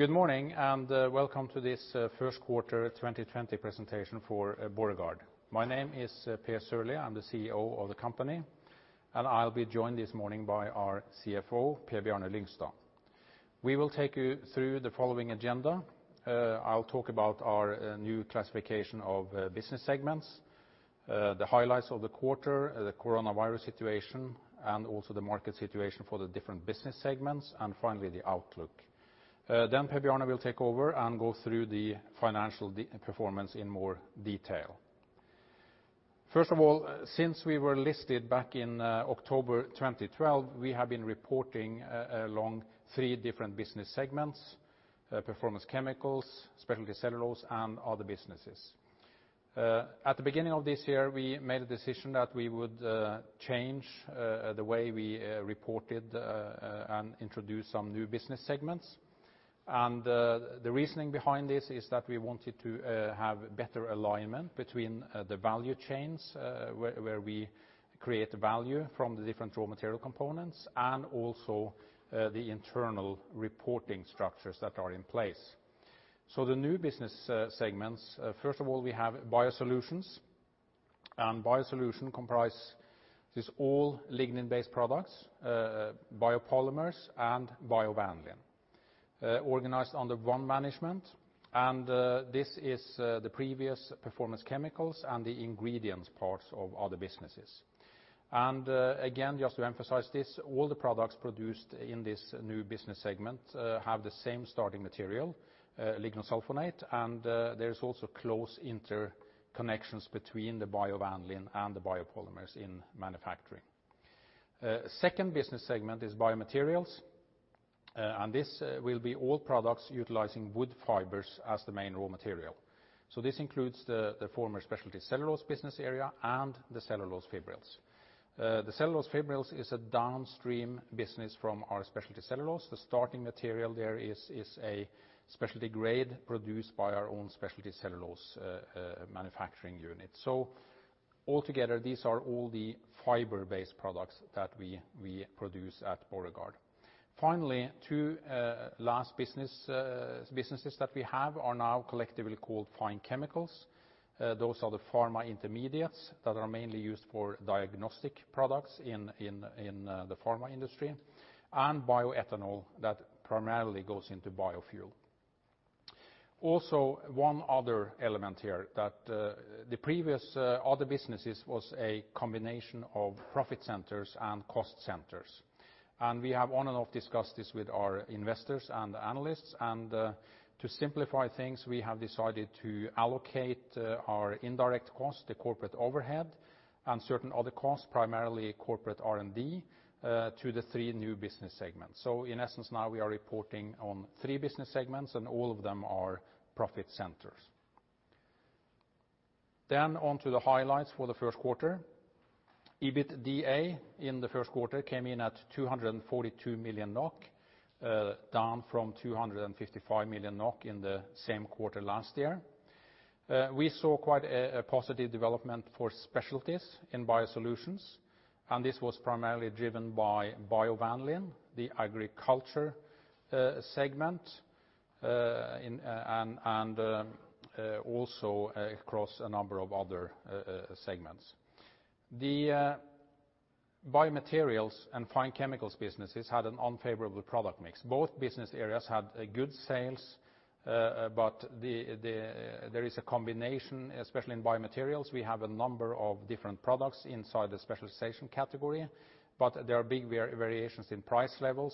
Good morning. Welcome to this first quarter 2020 presentation for Borregaard. My name is Per Sørlie. I'm the CEO of the company. I'll be joined this morning by our CFO, Per Bjarne Lyngstad. We will take you through the following agenda. I'll talk about our new classification of business segments, the highlights of the quarter, the coronavirus situation. Also the market situation for the different business segments. Finally, the outlook. Per Bjarne will take over and go through the financial performance in more detail. First of all, since we were listed back in October 2012, we have been reporting along three different business segments: Performance Chemicals, Speciality Cellulose, and Other Businesses. At the beginning of this year, we made a decision that we would change the way we reported and introduce some new business segments. The reasoning behind this is that we wanted to have better alignment between the value chains, where we create the value from the different raw material components, and also the internal reporting structures that are in place. The new business segments, first of all, we have BioSolutions. BioSolutions comprise this all lignin-based products, biopolymers, and biovanillin, organized under one management. This is the previous Performance Chemicals and the ingredients parts of Other Businesses. Again, just to emphasize this, all the products produced in this new business segment have the same starting material, lignosulfonate, and there is also close interconnections between the biovanillin and the biopolymers in manufacturing. Second business segment is BioMaterials. This will be all products utilizing wood fibers as the main raw material. This includes the former Speciality Cellulose business area and the cellulose fibrils. The cellulose fibrils is a downstream business from our Speciality Cellulose. The starting material there is a specialty grade produced by our own Speciality Cellulose manufacturing unit. Altogether, these are all the fiber-based products that we produce at Borregaard. Finally, two last businesses that we have are now collectively called Fine Chemicals. Those are the pharma intermediates that are mainly used for diagnostic products in the pharma industry, and bioethanol that primarily goes into biofuel. Also, one other element here, that the previous Other Businesses was a combination of profit centers and cost centers. We have on and off discussed this with our investors and analysts. To simplify things, we have decided to allocate our indirect costs, the corporate overhead, and certain other costs, primarily corporate R&D, to the three new business segments. In essence, now we are reporting on three business segments, and all of them are profit centers. Onto the highlights for the first quarter. EBITDA in the first quarter came in at 242 million NOK, down from 255 million NOK in the same quarter last year. We saw quite a positive development for specialties in BioSolutions, and this was primarily driven by biovanillin, the agriculture segment, and also across a number of other segments. The BioMaterials and Fine Chemicals businesses had an unfavorable product mix. Both business areas had good sales, but there is a combination, especially in BioMaterials. We have a number of different products inside the specialization category, but there are big variations in price level.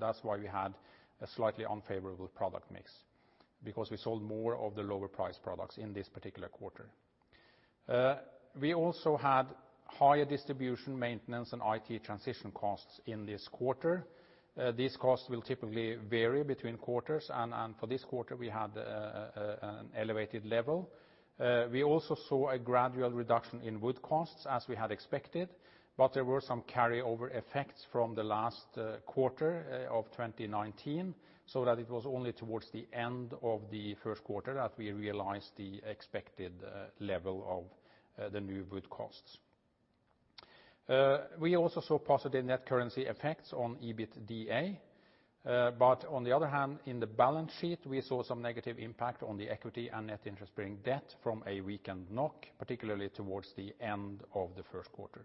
That's why we had a slightly unfavorable product mix, because we sold more of the lower-priced products in this particular quarter. We also had higher distribution, maintenance, and IT transition costs in this quarter. These costs will typically vary between quarters, and for this quarter, we had an elevated level. We also saw a gradual reduction in wood costs, as we had expected, but there were some carryover effects from the last quarter of 2019, so that it was only towards the end of the first quarter that we realized the expected level of the new wood costs. We also saw positive net currency effects on EBITDA, but on the other hand, in the balance sheet, we saw some negative impact on the equity and net interest-bearing debt from a weakened NOK, particularly towards the end of the first quarter.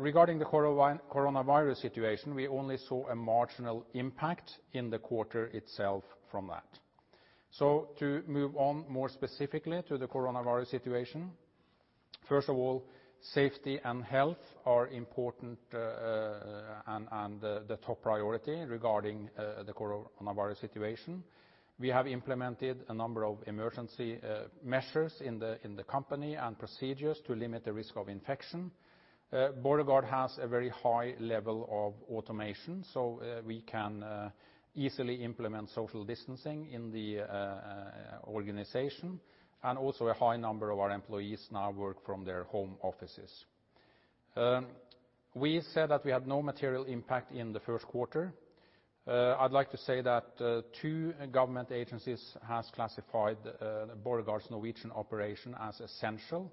Regarding the coronavirus situation, we only saw a marginal impact in the quarter itself from that. To move on more specifically to the coronavirus situation, first of all, safety and health are important and the top priority regarding the coronavirus situation. We have implemented a number of emergency measures in the company and procedures to limit the risk of infection. Borregaard has a very high level of automation, we can easily implement social distancing in the organization. Also a high number of our employees now work from their home offices. We said that we had no material impact in the first quarter. I'd like to say that two government agencies have classified Borregaard's Norwegian operation as essential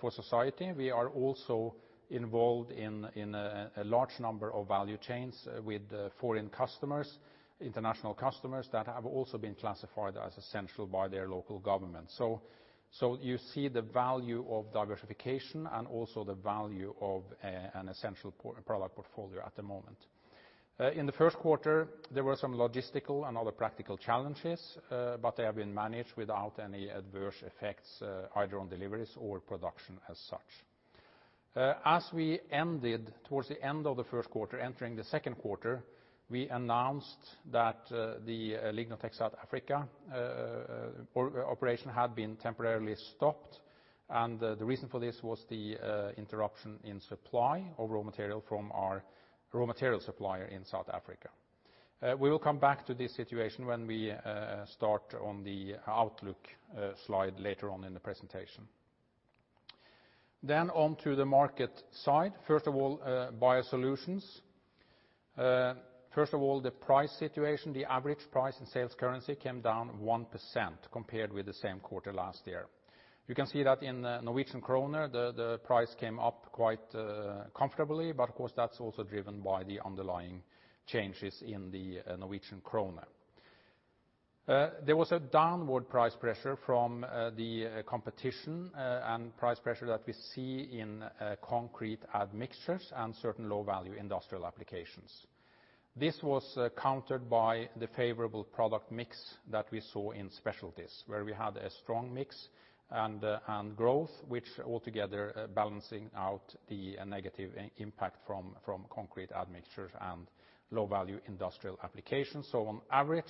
for society. We are also involved in a large number of value chains with foreign customers, international customers that have also been classified as essential by their local government. You see the value of diversification and also the value of an essential product portfolio at the moment. In the first quarter, there were some logistical and other practical challenges, but they have been managed without any adverse effects either on deliveries or production as such. As we ended towards the end of the first quarter entering the second quarter, we announced that the LignoTech South Africa operation had been temporarily stopped, and the reason for this was the interruption in supply of raw material from our raw material supplier in South Africa. We will come back to this situation when we start on the outlook slide later on in the presentation. On to the market side. First of all, BioSolutions. First of all, the price situation, the average price and sales currency came down 1% compared with the same quarter last year. You can see that in NOK, the price came up quite comfortably. Of course, that's also driven by the underlying changes in the NOK. There was a downward price pressure from the competition. Price pressure that we see in concrete admixtures and certain low-value industrial applications. This was countered by the favorable product mix that we saw in specialties, where we had a strong mix and growth, which altogether balancing out the negative impact from concrete admixtures and low-value industrial applications. On average,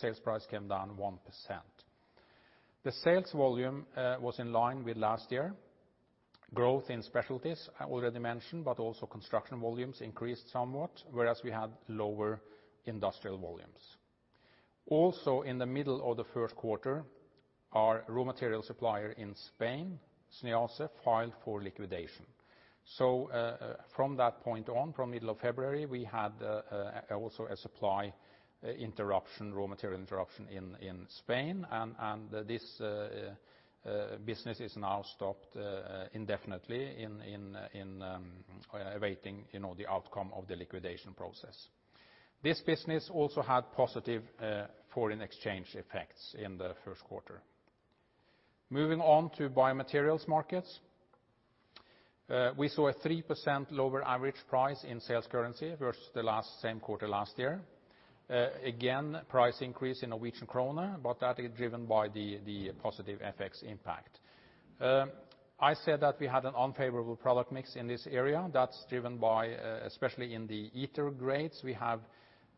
sales price came down 1%. The sales volume was in line with last year. Growth in specialties I already mentioned. Also construction volumes increased somewhat, whereas we had lower industrial volumes. In the middle of the first quarter, our raw material supplier in Spain, SNIACE, filed for liquidation. From that point on, from middle of February, we had also a supply interruption, raw material interruption in Spain, and this business is now stopped indefinitely in awaiting the outcome of the liquidation process. This business also had positive foreign exchange effects in the first quarter. Moving on to BioMaterials markets. We saw a 3% lower average price in sales currency versus the same quarter last year. Price increase in Norwegian kroner, but that is driven by the positive FX impact. I said that we had an unfavorable product mix in this area. That's driven by, especially in the ether grades, we have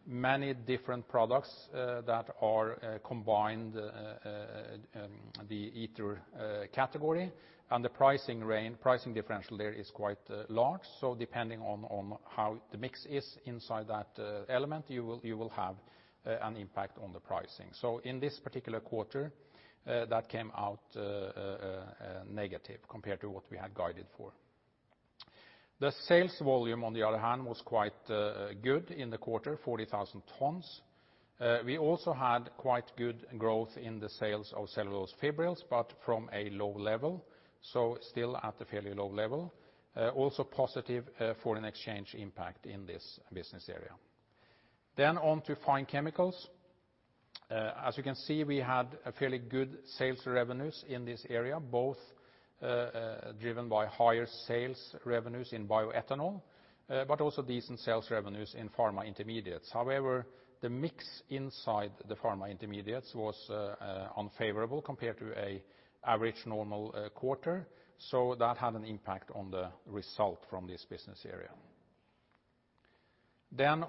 many different products that are combined, the ether category, and the pricing differential there is quite large. Depending on how the mix is inside that element, you will have an impact on the pricing. In this particular quarter, that came out negative compared to what we had guided for. The sales volume, on the other hand, was quite good in the quarter, 40,000 tons. We also had quite good growth in the sales of cellulose fibrils, but from a low level, so still at a fairly low level. Also positive foreign exchange impact in this business area. On to Fine Chemicals. As you can see, we had a fairly good sales revenues in this area, both driven by higher sales revenues in bioethanol, but also decent sales revenues in pharma intermediates. However, the mix inside the pharma intermediates was unfavorable compared to an average normal quarter, so that had an impact on the result from this business area.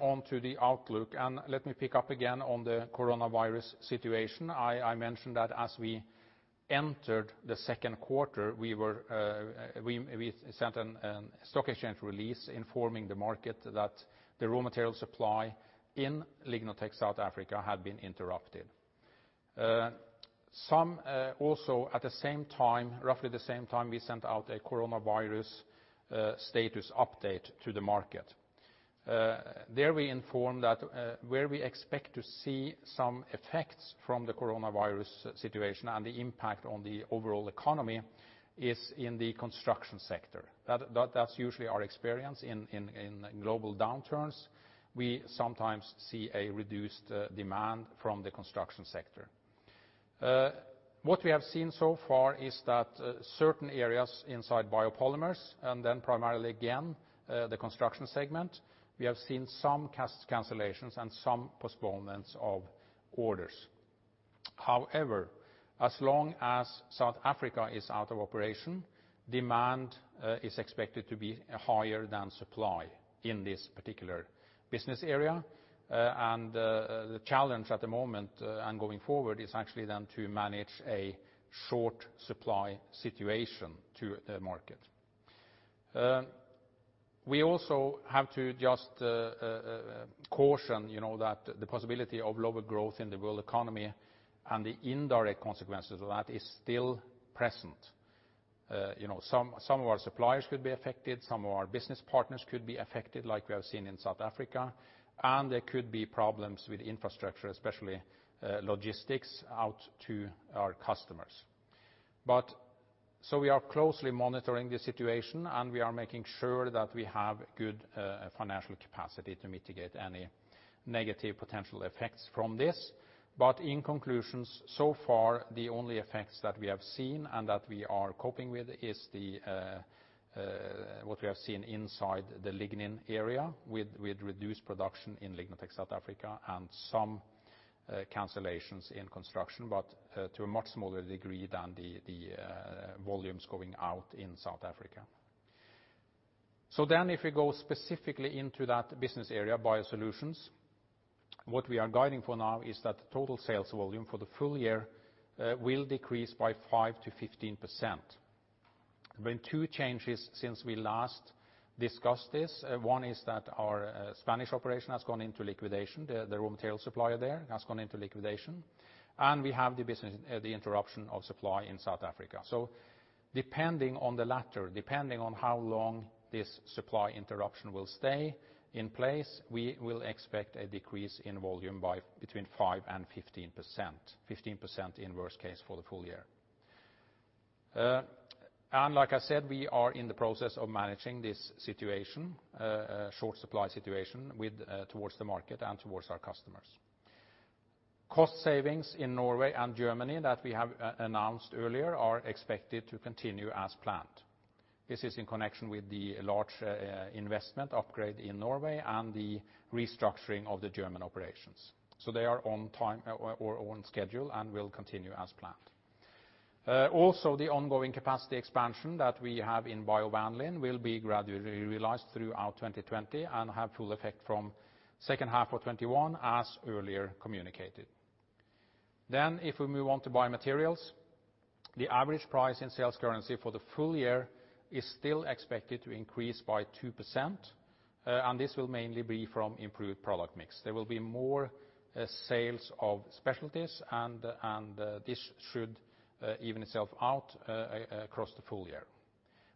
On to the outlook, and let me pick up again on the coronavirus situation. I mentioned that as we entered the second quarter, we sent a stock exchange release informing the market that the raw material supply in LignoTech South Africa had been interrupted. Roughly the same time, we sent out a coronavirus status update to the market. There we informed that where we expect to see some effects from the coronavirus situation and the impact on the overall economy is in the construction sector. That's usually our experience in global downturns. We sometimes see a reduced demand from the construction sector. What we have seen so far is that certain areas inside biopolymers and then primarily, again, the construction segment, we have seen some cancellations and some postponements of orders. As long as South Africa is out of operation, demand is expected to be higher than supply in this particular business area. The challenge at the moment and going forward is actually then to manage a short supply situation to the market. We also have to caution that the possibility of lower growth in the world economy and the indirect consequences of that is still present. Some of our suppliers could be affected, some of our business partners could be affected like we have seen in South Africa, and there could be problems with infrastructure, especially logistics out to our customers. We are closely monitoring the situation, and we are making sure that we have good financial capacity to mitigate any negative potential effects from this. In conclusion, so far, the only effects that we have seen and that we are coping with is what we have seen inside the lignin area, with reduced production in LignoTech South Africa and some cancellations in construction, but to a much smaller degree than the volumes going out in South Africa. If we go specifically into that business area, BioSolutions, what we are guiding for now is that the total sales volume for the full year will decrease by 5%-15%. There have been two changes since we last discussed this. One is that our Spanish operation has gone into liquidation. The raw material supplier there has gone into liquidation. We have the interruption of supply in South Africa. Depending on the latter, depending on how long this supply interruption will stay in place, we will expect a decrease in volume by between 5% and 15%, 15% in worst case for the full year. Like I said, we are in the process of managing this situation, a short supply situation towards the market and towards our customers. Cost savings in Norway and Germany that we have announced earlier are expected to continue as planned. This is in connection with the large investment upgrade in Norway and the restructuring of the German operations. They are on time or on schedule and will continue as planned. Also, the ongoing capacity expansion that we have in biovanillin will be gradually realized throughout 2020 and have full effect from second half of 2021 as earlier communicated. If we move on to BioMaterials, the average price in sales currency for the full year is still expected to increase by 2%, and this will mainly be from improved product mix. There will be more sales of specialties, and this should even itself out across the full year.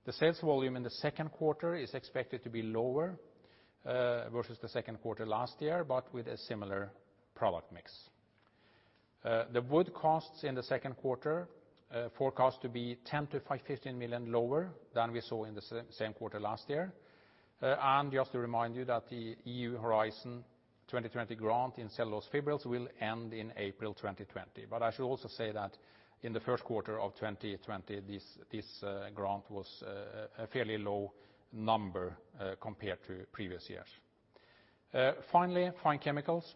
The sales volume in the second quarter is expected to be lower, versus the second quarter last year, but with a similar product mix. The wood costs in the second quarter forecast to be 10 million-15 million lower than we saw in the same quarter last year. Just to remind you that the EU Horizon 2020 grant in cellulose fibrils will end in April 2020. I should also say that in the first quarter of 2020, this grant was a fairly low number compared to previous years. Finally, Fine Chemicals,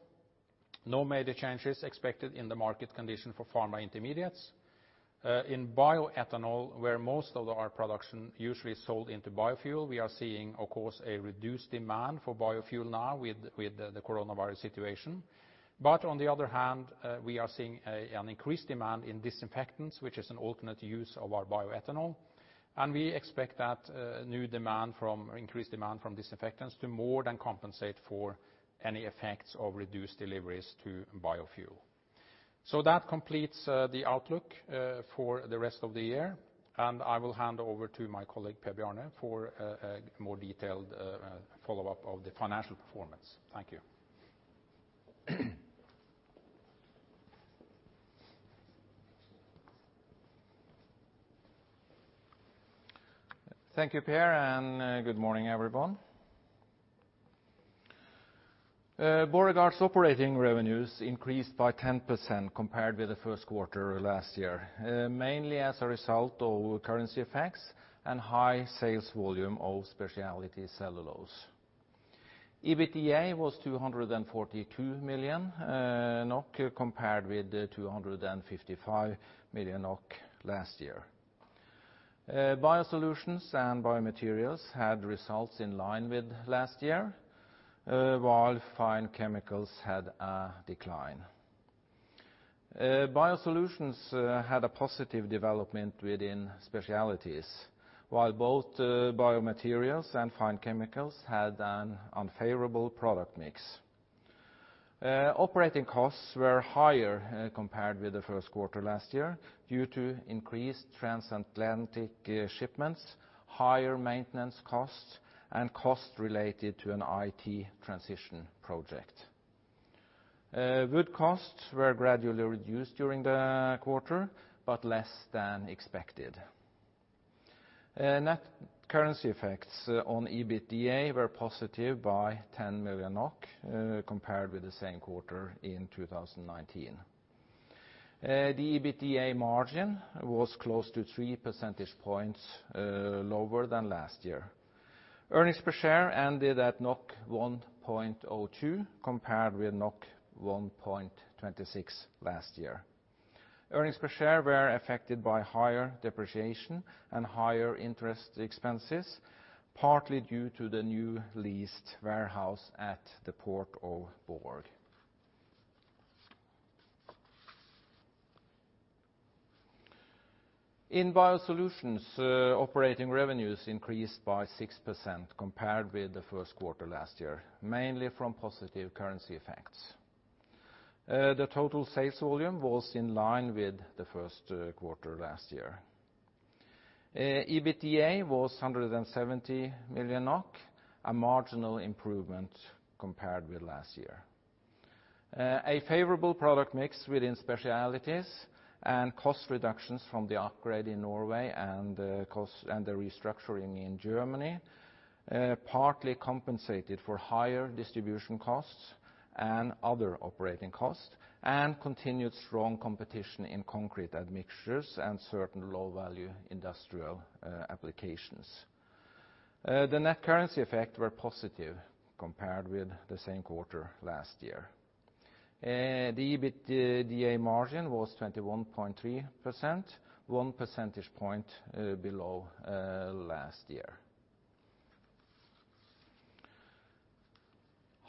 no major changes expected in the market condition for pharma intermediates. In bioethanol, where most of our production usually sold into biofuel, we are seeing, of course, a reduced demand for biofuel now with the coronavirus situation. On the other hand, we are seeing an increased demand in disinfectants, which is an alternate use of our bioethanol. We expect that increased demand from disinfectants to more than compensate for any effects of reduced deliveries to biofuel. That completes the outlook for the rest of the year, and I will hand over to my colleague, Per Bjarne, for a more detailed follow-up of the financial performance. Thank you. Thank you, Per, and good morning, everyone. Borregaard's operating revenues increased by 10% compared with the first quarter last year, mainly as a result of currency effects and high sales volume of Speciality Cellulose. EBITDA was 242 million NOK, compared with 255 million NOK last year. BioSolutions and BioMaterials had results in line with last year, while Fine Chemicals had a decline. BioSolutions had a positive development within specialties, while both BioMaterials and Fine Chemicals had an unfavorable product mix. Operating costs were higher compared with the first quarter last year due to increased transatlantic shipments, higher maintenance costs, and costs related to an IT transition project. Wood costs were gradually reduced during the quarter, but less than expected. Net currency effects on EBITDA were positive by 10 million NOK compared with the same quarter in 2019. The EBITDA margin was close to three percentage points lower than last year. Earnings per share ended at 1.02 compared with 1.26 last year. Earnings per share were affected by higher depreciation and higher interest expenses, partly due to the new leased warehouse at the Port of Borg. In BioSolutions, operating revenues increased by 6% compared with the first quarter last year, mainly from positive currency effects. The total sales volume was in line with the first quarter last year. EBITDA was 170 million NOK, a marginal improvement compared with last year. A favorable product mix within specialities and cost reductions from the upgrade in Norway and the restructuring in Germany partly compensated for higher distribution costs and other operating costs, and continued strong competition in concrete admixtures and certain low-value industrial applications. The net currency effect were positive compared with the same quarter last year. The EBITDA margin was 21.3%, one percentage point below last year.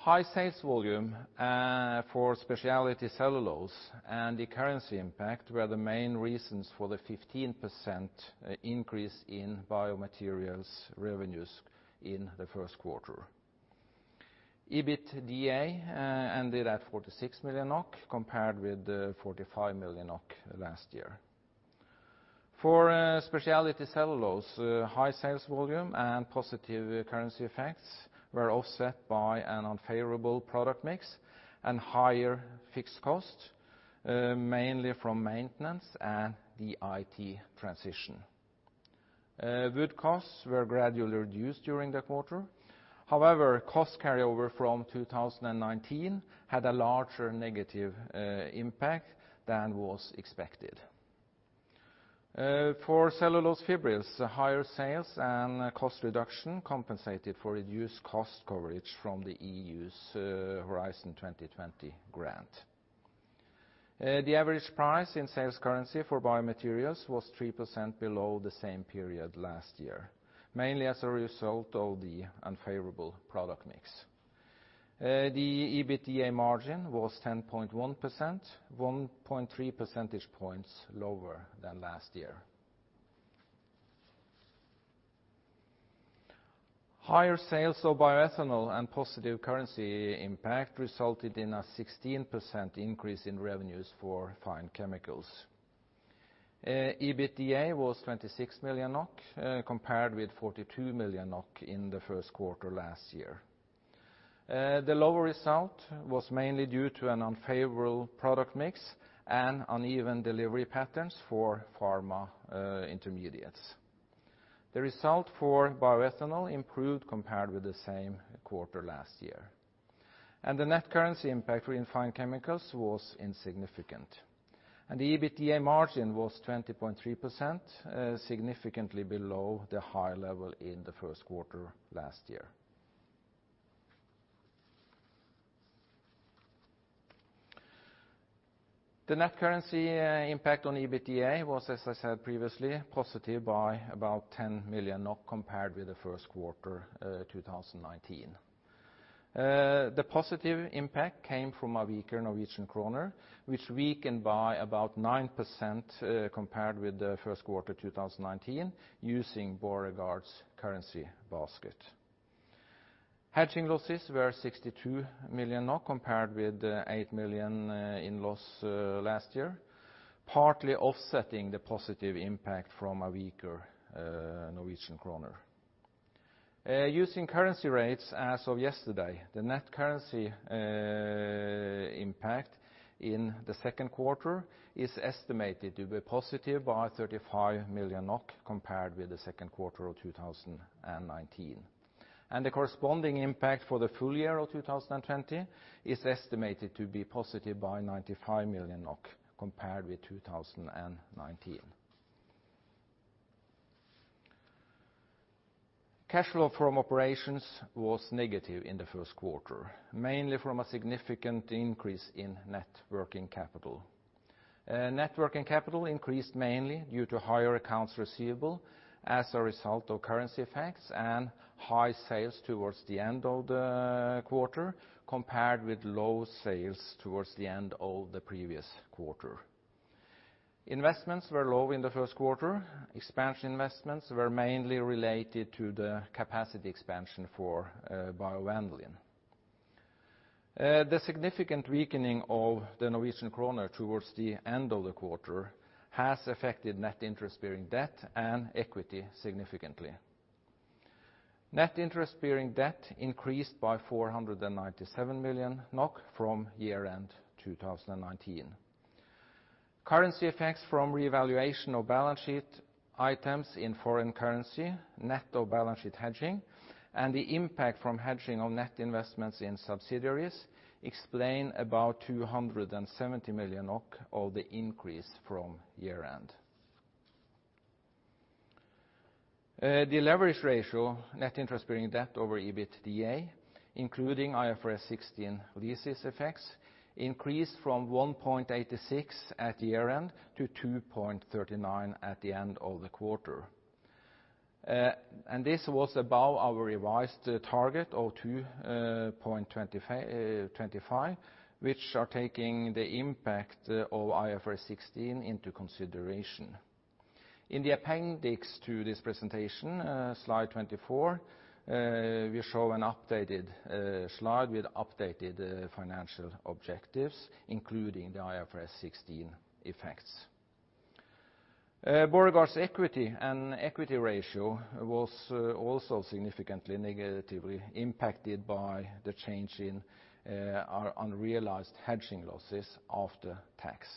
High sales volume for Speciality Cellulose and the currency impact were the main reasons for the 15% increase in BioMaterials revenues in the first quarter. EBITDA ended at 46 million NOK, compared with 45 million NOK last year. For Speciality Cellulose, high sales volume and positive currency effects were offset by an unfavorable product mix and higher fixed costs, mainly from maintenance and the IT transition. Wood costs were gradually reduced during the quarter. However, cost carryover from 2019 had a larger negative impact than was expected. For cellulose fibrils, higher sales and cost reduction compensated for reduced cost coverage from the EU Horizon 2020 grant. The average price in sales currency for BioMaterials was 3% below the same period last year, mainly as a result of the unfavorable product mix. The EBITDA margin was 10.1%, 1.3 percentage points lower than last year. Higher sales of bioethanol and positive currency impact resulted in a 16% increase in revenues for Fine Chemicals. EBITDA was 26 million NOK, compared with 42 million NOK in the first quarter last year. The lower result was mainly due to an unfavorable product mix and uneven delivery patterns for pharma intermediates. The result for bioethanol improved compared with the same quarter last year. The net currency impact for Fine Chemicals was insignificant, and the EBITDA margin was 20.3%, significantly below the high level in the first quarter last year. The net currency impact on EBITDA was, as I said previously, positive by about 10 million NOK compared with the first quarter 2019. The positive impact came from a weaker Norwegian kroner, which weakened by about 9% compared with the first quarter 2019 using Borregaard's currency basket. Hedging losses were 62 million compared with 8 million in loss last year, partly offsetting the positive impact from a weaker Norwegian kroner. Using currency rates as of yesterday, the net currency impact in the second quarter is estimated to be positive by 35 million NOK compared with the second quarter of 2019. The corresponding impact for the full year of 2020 is estimated to be positive by 95 million NOK compared with 2019. Cash flow from operations was negative in the first quarter, mainly from a significant increase in net working capital. Net working capital increased mainly due to higher accounts receivable as a result of currency effects and high sales towards the end of the quarter compared with low sales towards the end of the previous quarter. Investments were low in the first quarter. Expansion investments were mainly related to the capacity expansion for biovanillin. The significant weakening of the Norwegian kroner towards the end of the quarter has affected net interest-bearing debt and equity significantly. Net interest-bearing debt increased by 497 million NOK from year-end 2019. Currency effects from revaluation of balance sheet items in foreign currency, net of balance sheet hedging, and the impact from hedging of net investments in subsidiaries explain about 270 million NOK of the increase from year-end. The leverage ratio, net interest bearing debt over EBITDA, including IFRS 16 leases effects, increased from 1.86 at year-end to 2.39 at the end of the quarter. This was above our revised target of 2.25, which are taking the impact of IFRS 16 into consideration. In the appendix to this presentation, slide 24, we show an updated slide with updated financial objectives, including the IFRS 16 effects. Borregaard's equity and equity ratio was also significantly negatively impacted by the change in our unrealized hedging losses after tax.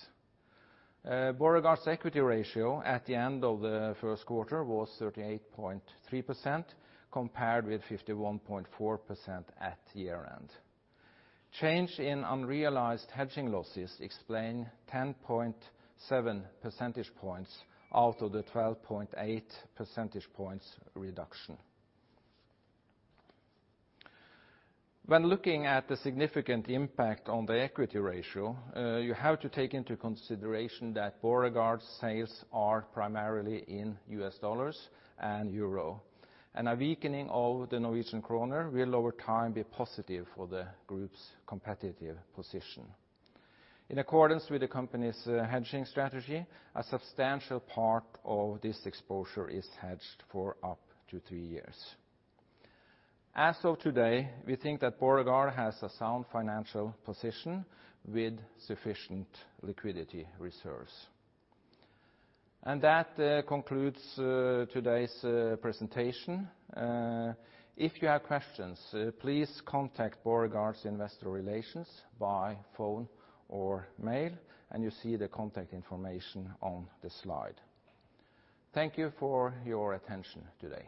Borregaard's equity ratio at the end of the first quarter was 38.3%, compared with 51.4% at year-end. Change in unrealized hedging losses explain 10.7 percentage points out of the 12.8 percentage points reduction. When looking at the significant impact on the equity ratio, you have to take into consideration that Borregaard's sales are primarily in US dollars and euro, and a weakening of the Norwegian kroner will over time be positive for the group's competitive position. In accordance with the company's hedging strategy, a substantial part of this exposure is hedged for up to three years. As of today, we think that Borregaard has a sound financial position with sufficient liquidity reserves. That concludes today's presentation. If you have questions, please contact Borregaard's Investor Relations by phone or mail, and you see the contact information on the slide. Thank you for your attention today.